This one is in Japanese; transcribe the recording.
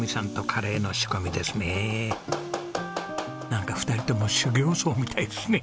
なんか２人とも修行僧みたいですね。